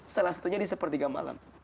salah satunya di sepertiga malam